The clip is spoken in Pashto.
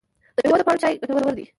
د میوو د پاڼو چای ګټور دی؟